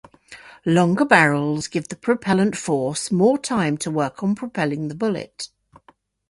Longer barrels give the propellant force more time to work on propelling the bullet.